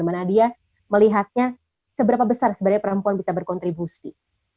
mbak nadia melihatnya seberapa besar sebenarnya perempuan bisa berkontribusi